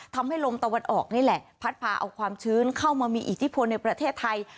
ทำให้ลมตะวันออกนี่แหละพัดพาเอาความชื้นเข้ามามีอิทธิพลในประเทศไทย